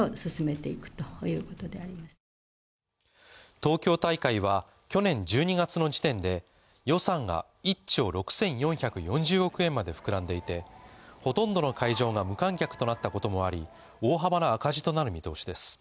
東京大会は去年１２月の時点で予算が１兆６４４０億円まで膨らんでいてほとんどの会場が無観客となったこともあり大幅な赤字となる見通しです。